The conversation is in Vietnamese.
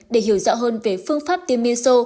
để hiểu rõ hơn về phương pháp tiêm meso